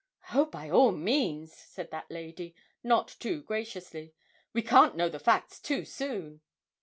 'Oh, by all means,' said that lady, not too graciously: 'we can't know the facts too soon.'